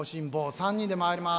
３人でまいります。